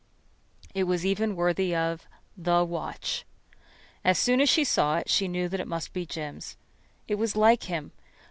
It was even worthy of The Watch. As soon as she saw it she knew that it must be Jim's. It was like him.